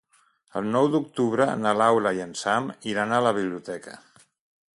El nou d'octubre na Laura i en Sam iran a la biblioteca.